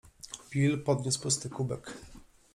Bill podniósł pusty kubek.